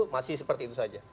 masih seperti itu saja